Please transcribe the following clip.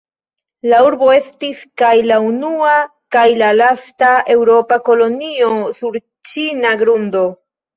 La urbo estis kaj la unua kaj la lasta eŭropa kolonio sur ĉina grundo.